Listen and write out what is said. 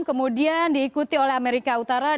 kemudian diikuti oleh amerika utara